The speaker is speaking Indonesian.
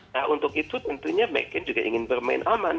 nah untuk itu tentunya mccain juga ingin bermain aman